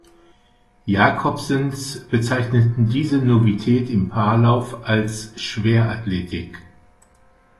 Jacobsens bezeichneten diese Novität im Paarlauf als "Schwerathletik".